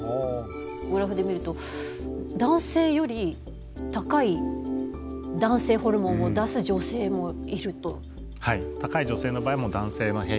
グラフで見ると男性より高い男性ホルモンを出す女性もいると。